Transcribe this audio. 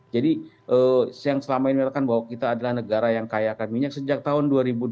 jadi yang selama ini mereka bahwa kita adalah negara yang kaya akan minyak sejak tahun dua ribu delapan